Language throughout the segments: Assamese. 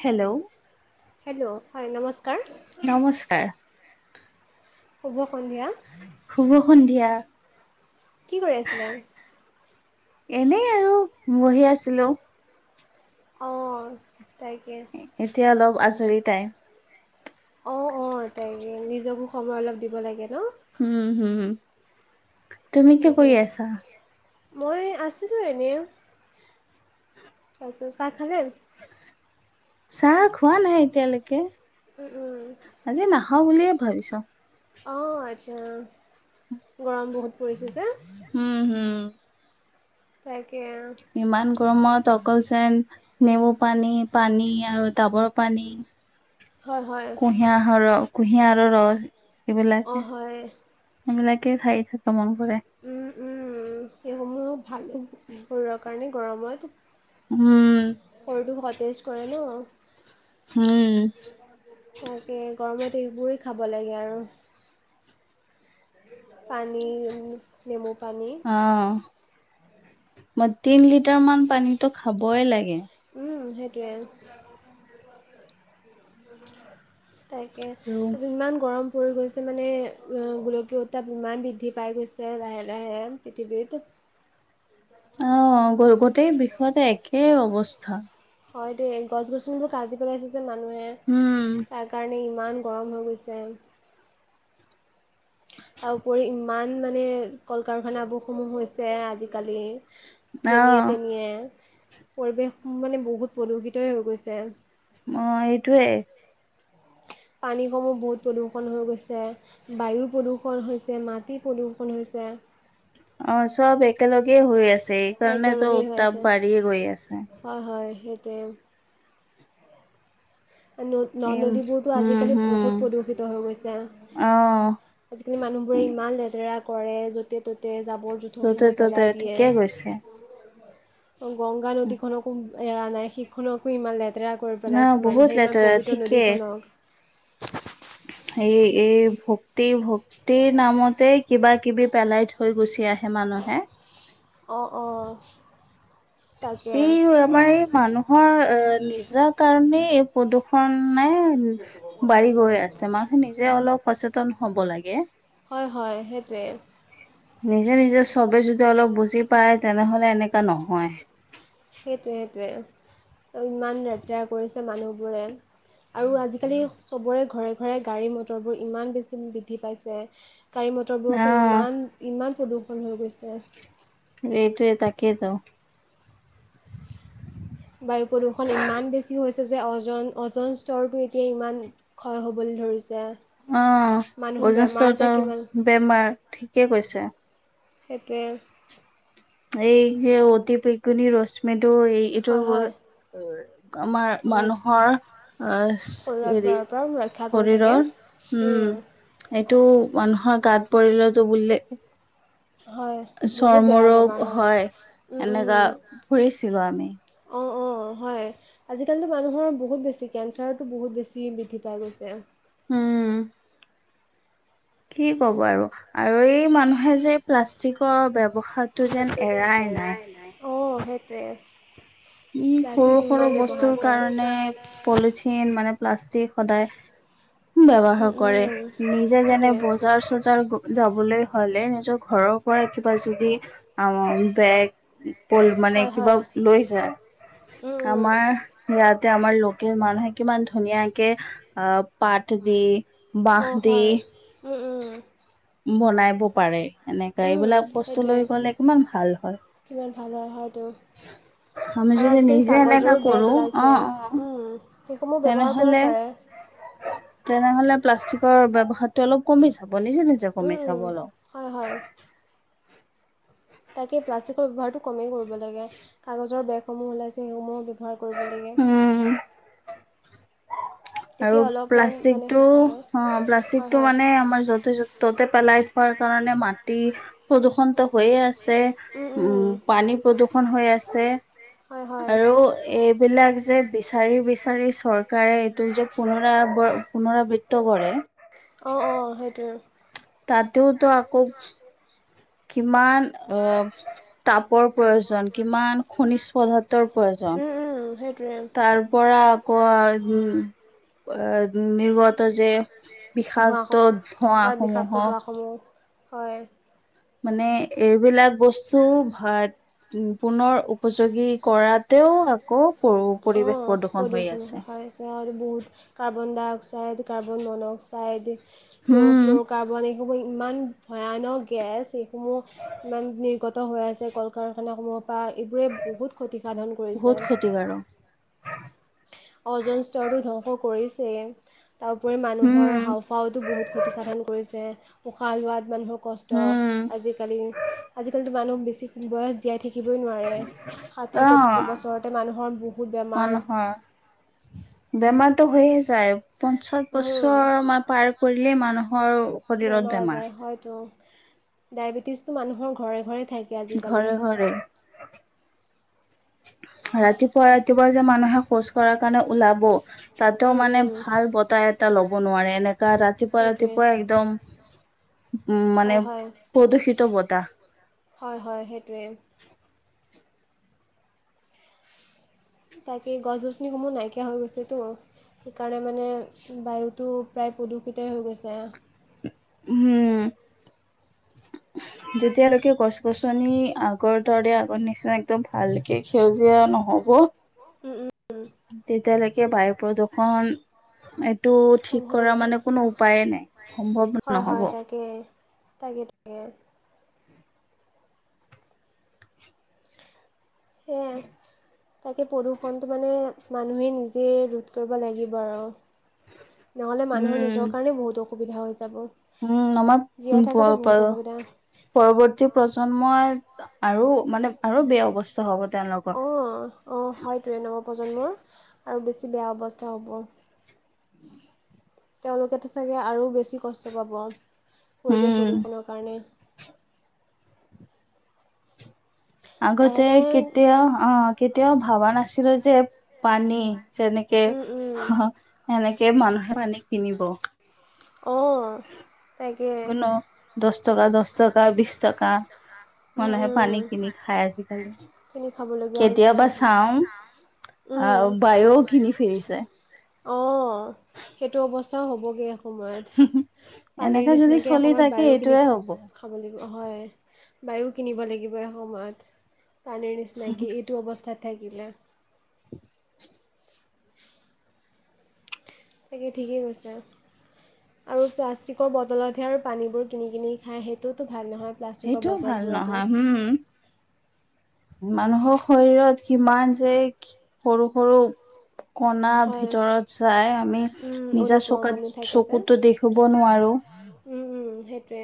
হেল্ল' হেল্ল' হয় নমস্কাৰ নমস্কাৰ শুভ সন্ধিয়া শুভ সন্ধিয়া কি কৰি আছিলে এনেই আৰু বহি আছিলো অ এতিয়া অলপ আজৰিতাই অ অ তাইে নিজকো সময় অলপ দিব লাগে ন উম হম তুমি কি তাকে কৰি আছা মই আছিলছোঁ এনেই তাৰচত চাহ খালে চাহ খোৱা নাই এতিয়ালৈকে উম উম খাও বুলিয়ে ভাবিছ অঁ আচ্ছা গৰম বহুত পৰিছে যে উম, হম। তাকে ইমান গৰমত অকলযেন নেমু পানী, পানী আৰু ডাবৰ পানী, হয় হয় কুঁহিয়া সৰক কুঁহিয়াৰৰ ৰস। অ', হয়। সেইবিলাকে খাই থাকা মন কৰে। উম, উম, সেইসমূহ ভাল শৰীৰৰ কাৰণে গৰমত। উম সৰুটোক সতেজ কৰে ন হম তকে গৰমত এইবোৰেই খাব লাগে আৰু পানী নেমু পানী অ মই তিন লিটাৰ মান পানীতো খাবই লাগে সেইটোৱে আৰু তাকে আৰু আজি ইমান গৰম পৰি গৈছে মানে গোলকীয়তা বিমান বৃদ্ধি পাই গৈছে লাহে লাহে পৃথিৱীত অ', গ, গোটেই বিষয়তে একে অৱস্থা। হয় দে গছ গছনিবোৰ কাটি পেলাইছে যে মানুহে উম। তাৰ কাৰণে ইমান গৰম হৈ গৈছে। তাৰ উপৰি ইমান মানে কল কাৰখানাবোৰসমূহ হৈছে আজিকালি যেনিয়ে অ', তেনিয়ে পৰিৱেশ মানে বহুত প্ৰদূষিতই হৈ গৈছে। অ', এইটোৱে। পানীসমূহ বহুত প্ৰদূষণ হৈ গৈছে, বায়ু প্ৰদূষণ হৈছে, মাটি প্ৰদূষণ হৈছে। চে। অ', চব একেলগে হৈ আছে এইকাৰণেতো একেলগেই হৈ উত্তাপ বাঢ়িয়ে গৈ আছে। সেইতোৱে। ন এম নদীবোৰতো উম, আজিকালি হুম। বহুত প্ৰদূষিত হৈ গৈছে। অ', আজিকালি মানুহবোৰে ইমান লেতেৰা কৰে য'তে ত'তে জাবৰ ততে জোথকবোৰ ততে পেলাই ঠিকে কৈছে। দিয়ে। গংগা নদীখননকো এৰা নাই সেইখনকো ইমান লেতেৰা কৰি ন পেলাইছে বহুত মানুহ সেই ইমান লেতেৰা পবিত্ৰ ঠিকে। নদীখনক। এই এই ভক্তি ভক্তিৰ নামতে কিবা কিবি পেলাই থৈ গুচি আহে মান মানুহে। অঁ, অঁ। তাকে এই আমাৰ এই মানুহৰ এ নিজা কাৰণেই প্ৰদূৰ্ষণ নাই বাঢ়ি গৈ আছে মানুহ নিজে অলপ সচেতন হ'ব লাগে। হয়, হয়, সেইটোৱে। নিজে নিজে চবে যদি অলপ বুজি পায় তেনেহলে এনেকা নহয়। সেইটোৱে সেইটোৱে ইমান লেতোৰ কৰিছে মানুহবোৰে। আৰু আজিকালি চবৰে ঘৰে ঘৰে গাড়ী মটৰবোৰ ইমান বেছি বৃদ্ধি পাইছে। গাড়ী মতৰবোৰ অহ পৰা ইমান প্ৰদূষণ হৈ গৈছে। এইটোৱে, তাকেইেতো। বায়ু প্ৰদূষণ ইমান বেছি হৈছে যে জন অজন স্তৰটো এতিয়া ইমান ক্ষয় হ'বলৈ ধৰিছে। অঁ, মানুহৰ বেমাৰ আজাৰ [unintelligible] কিমান বেমাৰ ঠিকে কৈছে। সেইটোৱে। এই যে অতি পকণ ৰশ্মিটো এই এইটো হয় হয় আমাৰ অঁ, মানুহৰ অহ শৰীৰত হেৰি পৰাৰ পৰা ৰক্ষা কৰি থাকে শৰীৰৰ, উম, এইটো মানুহৰ গাত পৰিলতো বুলিলে হয় বহুত চৰ্ম বেয়া ৰোগ বেমাৰ হয়। উম এনেকা উম। ফুৰিছিলো আমি অঁ, হয় আজিকালিতো মানুহৰ বহুত বেছি, কেঞ্চাৰতো বহুত বেছি বৃদ্ধি পাই গৈছে। উম। কি ক'ব আৰু আৰু এই মানুহে যে প্লাষ্টিকৰ ব ব্যৱহাৰটো যেন এৰাই নাই। অঁ সেইটোৱে ই সৰু প্লাষ্টিক সৰু ইমান ব্যৱহাৰ বস্তুৰ কৰে কাৰণে পলিথিন মানে প্লাষ্টিক সদায় উম ব্যৱহাৰ কৰে উম নিজে যেনে সেইটোৱে বজাৰ চজাৰ যাবলৈ হলে নিজৰ ঘৰৰ পৰা কিবা যদি অ বেগ ল মানে হয় কিবা হয় লৈ যায়। উম উম আমাৰ ইয়াতে আমাৰ মানুহে কিমান ধুনীয়াকে পাট দি বাহ অঁ দি হয় উম উম বনাব পাৰে। এনেকা উম এইবিলাক বস্তু সেইটোৱে লৈ গলে কিমান ভাল হয়। কিমান ভাল হয় হয়তো আমি আৰু যদি আজিকালি নিজে এনেকা কাগজৰো কৰো বেগ অ ওলাইছে, অ উম। সেইসমূহ ব্যৱহাৰ তেনেহলে কৰিব পাৰে। তেনেহলে প্লাষ্টিকৰ ব্যৱহাৰ টো অলপ কমি যায়। বনিছ নিজ [unintelligible] কমি উম উম চাবল হয় হয় তাকেই প্লাষ্টিকৰ ব্যৱহাৰটো কমেই কৰিব লাগে। কাগজৰ বেগসমূহ ওলাইছে সেইসমূহ ব্যৱহাৰ কৰিব লাগে উম আৰু তেতিয়া অলপমান প্লাষ্টিক মানে টো শুকান হয় অ হয় প্লাষ্টিকটো হয় মানে আমাৰ য'তে ত'তে পেলাই থোৱা কাৰণে মাটি প্ৰদূষণটো হৈয়ে আছে। উম পানী প্ৰদূষণ হৈ আছে। হয় হয় আৰু এইবিলাক যে বিচাৰি বিচাৰি চৰকাৰে যে পুনৰা পুনৰাবৃত্ত কৰে উ ততেওতো আকৌ কিমান অ তাপৰ প্ৰয়োজন কিমান খনিজ পদাৰ্থৰ প্ৰয়োজন তাৰ পৰা আকৌ উম আহ নিৰ্গত যে বিষাক্ত ধোঁৱাসমূহ ধোঁৱ হয় বিষাক্ত সমূহ ধোঁৱাসমূহ হয়। মানে এইবিলাক বস্তু ভাত উ পুনৰ উপযোগী কৰাতেও আকৌ পৰিৱেশ অঁ হৈ প্ৰদূষণ আছে। হৈছে আৰু বহুত carbon dioxide, carbon monoxide দি ফ্ল উম ফ্ল'ৰ কাৰ্বন সম ইমান ভয়ানক গেছ এইসমূহ ইমান নিৰ্গত হৈ আছে কল কাৰখানাসমূহৰ পৰা এইবোৰে বহুত ক্ষতিসাধন কৰিছে বহুত ক্ষতিকাৰক। অজন সৰটো ধ্বংস কৰিছে তাৰোপৰি মানুহৰ উম হাওফাওটো বহুত ক্ষতিসাধন কৰিছে। উশাহ হোৱাত মানুহক কষ্ট উম, আজিকালি, আজিকালিটো মানুহ বেছি বয়স জীয়াই থাকি থাকিবই নোৱাৰে ষাঠি, সত্তৰ অ', বছৰতে মানুহৰ বহুত বেমাৰ বেমাৰতটো হৈয়ে যায় পঞ্চাশ উম, বছৰ মান পাৰ কৰিলেই মানুহ শৰীৰত বেমাৰ ডায়েবেটিছ টো মানুহৰ ঘৰে ঘৰে থাকে আজিকালি ঘৰে ঘৰে ৰাতিপুৱা ৰাতিপুৱা যে মানুহে শৌচ কৰাৰ কাৰণে ওলাব তাতেও উম মানে উম ভাল বঁতাহ এটা ল'ব নোৱাৰে এনেকা ৰাতিপুৱা, সেইটোৱে ৰাতিপুৱা একদম উ মানে হয় হয় প্ৰদূষিত বঁটা হয় হয় সেইটোৱে তাকে গছ গছনিসমূহ নাইকিয়া হৈ গৈছেতো সেইকাৰণে মানে বায়ুটো প্ৰায় প্ৰদূষতেই হৈ গৈছে উম। [unintelligible] যেতিয়ালৈকে গছ গছনি আগৰ দৰে আগৰ নিচিনা একদম ভালকে সেউজীয়া নহয় হব। উম উম উম, তেতিয়ালৈকে বায়ু প্ৰদূৰ্ষন টো ঠিক সম্ভৱেই কৰা মানে নহয় কোনো উপায়ে নাই সম্ভৱ হয় হয় নহ'ব। তাকে তাকে তাকে। হে তাকে প্ৰদূষণটো মানে মানুহে নিজে ৰোধ কৰিব লাগিব আৰু নহ'লে মানুহৰ উম। নিজৰ কাৰণে বহুত অসুবিধা হৈ যাব উম আমাৰ জীয়াই থকাতে বহুত অসুবিধা পৰৱৰ্তী প্ৰজন্মই আৰু মানে আৰু বেয়া অৱস্থা হ'ব। তেওঁলোকৰ। অঁ অঁ হয়তোৱে নৱপ্ৰজন্মৰ আৰু বেছি বেয়া অৱস্থা হ'ব তেওঁলোকেতো চাগে আৰু বেছি বছ কষ্ট পাব পৰিৱেশ উম। প্ৰদূষণৰ কাৰণে লাহে আগতে লাহে কেতিয়াও অ কেতিয়াও ভাবা নাছিলো যে পানী যেনেকে, উম উম [unintelligible] এনেকে মানুহে আনি কিনিব। অঁ। তাকে। কোনো দহ টকা দহ টকা বিশ টকা [unintelligible] উম, মানুহে পানী উম। কিনি খাই আজিকালি। খিনি খাব লগগীয়া হৈছে, আৰু কেতিয়াবা চাও আহ বায়েও কিনি ফোৰিছে। অ', সেইটো অৱস্থ সচাও হ'বগৈ এসময়ত। পানীৰ এনেকে যদি নিচিনাকৈ চলি এসময়ত থাকে বায়ুখিনি এইটোয়ে হ'ব খাব লাগি হয় বায়ু কিনিব লাগিব এসময়ত পানীৰ নিচিনাকৈ এইটো অৱস্থাত থাকিলে। তাকে ঠিকেই কৈছে। আৰু প্লাষ্টিকৰ বটলতহে আৰু পানীবোৰ কিনি কিনি খাই সেইটোওতো ভাল নহয়। প্লাষ্টিকৰ সেইটোও ভাল বটলবোৰতো নহয়, হম। মানুহৰ শৰীৰত কিমান যে সৰু সৰু কনা হয় ভিতৰত যাই আমি উম, নিজা অনুপৰমাণু চকাত থাকে যে চকুতো দেখিব নোৱাৰো। উম, উম, সেইটোৱে।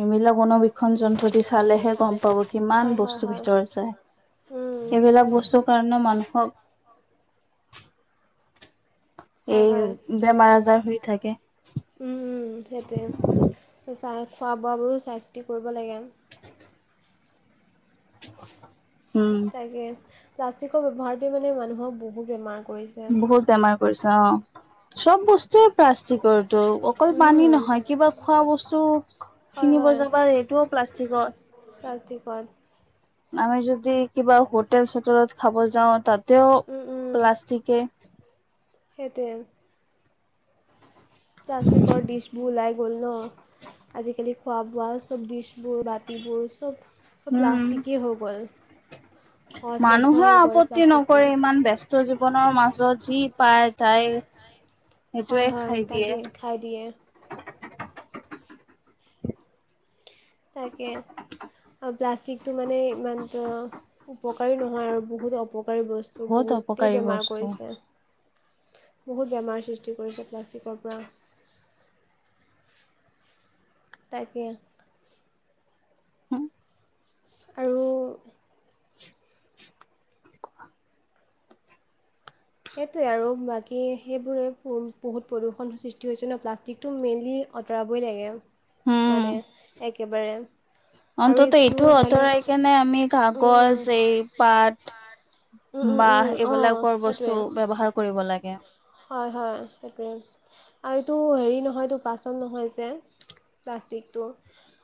এইবিলাক কোনবীক্ষণ যন্ত্ৰ দি চালেহে গম পাব কিমান হয় হয় বস্তুৰ হয় ভিতৰত যায়। উম, সেইবিলাক বস্তুৰ কাৰণে মানুহক হয় এই হয় বেমাৰ আজাৰ হৈ থাকে। উম, সেইটোৱে। চাই খোৱা বোৱাবোৰো চাই চিতি কৰিব লাগে। [unintelligible] তাকে, প্লাষ্টিকৰ ব্যৱহাৰটোৱে মানে মানুহক বহুত বেমাৰ কৰিছে বহুত বেমাৰ কৰিছে, অঁ। চব বস্তুৱে প্লাষ্টিকৰটো। অকল পানী উম, নহয় কিবা খোৱা বস্তু হয় কিনিব হয় যাবা সেইটোও প্লাষ্টিকৰ প্লাষ্টিকত আমি যদি কিবা হোটেল চোটেলত খাব যাওঁ তাতেও উম, উম, প্লাষ্টিকে [unintelligible] সেইটোৱে। প্লাষ্টিকৰ ডিছবোৰ ওলাই গ'ল ন? আজিকালি খোৱা বোৱা চ'ব ডিছবোৰ বাতিবোৰ চ'ব চ'ব উম, প্লাষ্টষ্টিকেই হয় গ'ল। সহজলভ্য মানুহে হৈ গ'ল আপত্তি প্লাষ্টিকটো নকৰে ইমান ব্যস্ত জীৱনৰ মাজত। যি পায় তাই হয় সেইটোৱে হয় খাই তাকে খাই দিয়ে। তাকে। প্লাষ্টিকটো মানে ইমান উপকাৰী নহয় আৰু বহুত অপ আৰু বস্ত বহুত বহুতে অপকাৰী বেমাৰ বস্তু। কৰিছে বহুথ বেমা খতি কৰিছে প্লাষ্টিকৰ পৰা। তাকে। আৰু ক সেইটোৱে আৰু বাকী সেইবোৰে বহুত প্ৰদূষণৰ সৃষ্টি হৈছে ন প্লাষ্টিকটো মেইনলি অতৰাবই লাগে উম, মানে একেবাৰে। আৰু অন্তত ইটো এইটো মানে অতৰাই কেনে আমি উম কাগজ এই পাত উম উম উম বা উম অঁ এইবিলাকৰ সেইটোৱে বস্তু ব্যৱহাৰ কৰিব লাগে। হয়, হয়, সেইটোৱে। আৰু এইটো হেৰি নহয় এইটো পাচন নহয় যে। প্লাষ্টিকটো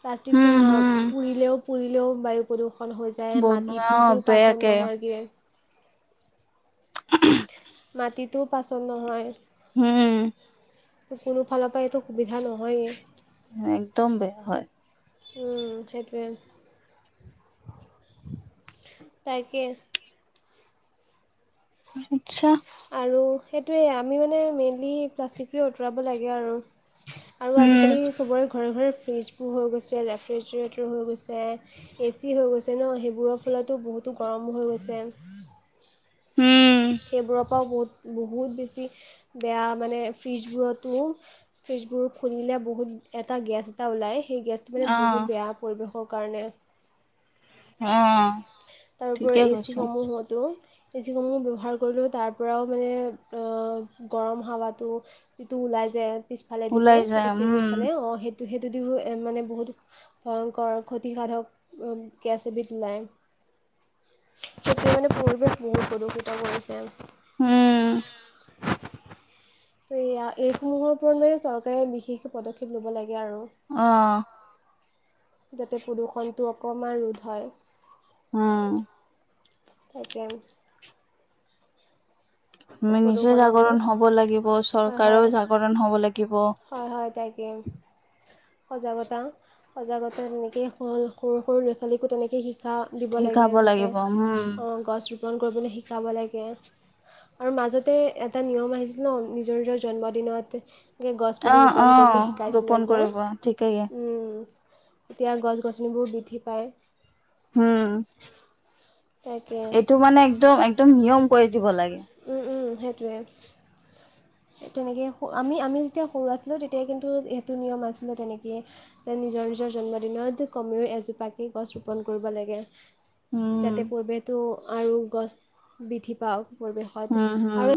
প্লাষ্টিকটো উম, হুম, পুৰিলেও পুৰিলেও বায়ু প্ৰড হৈ যায় বনোৱা মাটিটোতো পাচন বেয়াকে নহয়গে। [unintelligible] মাটিটোও পাচল নহয়। হম কোনো ফালৰ পৰা এইটো সুবিধা নহয়েই একদম বেয়া হয়। উ সেইটোয়ে তাকে। আত্ছা আৰু সেইটোৱেই আমি মানে মেইনলি প্লাষ্টিকটোৱে আঁতৰাব লাগে আৰু। আৰু উম, আজিকালি চবৰে ঘৰে ঘৰে ফ্ৰিজবোৰ হৈ গৈছে ৰেফ্ৰিজৰেটৰ হৈ গৈছে এ চি হৈ গৈছে ন সেইবোৰৰ ফলতো বহুত গৰমো হৈ গৈছে। উম, সেইবোৰক বহুত বেছি বেয়া মানে ফ্ৰীজবোৰটো, ফ্ৰীজবোৰ খুলিলে বহুত এটা গেছ এটা ওলায় সেই গেছটো অ', বহুত বেয়া পৰিবেশৰ কাৰণে। অ তাৰোপৰি ঠিকে এ চি কৈছে, সমূহ হতো এ চি সমূহ ব্যৱহাৰ কৰিলেও তাৰ পৰাও মানে গৰম হাৱাটো যিটো ওলাই যায়। পিছফালে দিছে ওলাই যায় এচিৰ উম, পিছফালে অঁ সেই তো সেইটো দি মানে বহুত ভয়ংকৰ ক্ষতিসাধক গেছ এবিধ ওলায়। তেতিয়া মানে পৰিৱেশ বহুত প্ৰদূষিত কৰিছে। উম। ত এয়া এইসমূহৰ ওপৰত মান চৰকাৰে বিশেষ পদক্ষেপ লব লাগে। আৰু অঁ! যাতে প্ৰদূষণটো অকণমান ৰোধ হয়। অঁ! তাকে! মই নিজে প্ৰদূষণৰ জাগৰণ ওপৰত হ'ব লাগিব, হয় চৰকাৰো হয় জাগৰণ হ'ব লাগিব। হয় হয় তাকে সজাগতা, সজাগতা তেনেকেই সৰু-সৰু ল'ৰা-ছোৱালীকো তেনেকেই শিক। কা দিব লাগে, শিকাব যাতে লাগিব উম, গছ ৰোপন কৰিবলৈ শিকাব লাগে। আৰু মাজতে এটা নিয়ম আহিছিল ন নিজৰ নিজৰ জন্মদিনত গছ পুলি অ', ৰোপণ অ', কৰিবলৈ শিকাইছিলে ৰোপন যে কৰিব ঠিকেই। উম! এতিয়া গছ গছনিবোৰ বৃদ্ধি পায়। উম! তাকে এইটো মানে একদম, একদম নিয়ম কৰি দিব লাগে। উম, উম! সেইটোৱে। তেনেকে, আমি, আমি যেতিয়া সৰু আছিলোঁ তেতিয়া কিন্তু সেইটো নিয়ম আছিলে তেনেকে যে নিজৰ নিজৰ। জন্মদিনত কমেও এজোপাকে গছ ৰোপণ কৰিব লাগে। উম, যাতে পৰিৱেশটো আৰু গছ বৃদ্ধি পায়, পৰিৱেশত উম, হুম। আৰু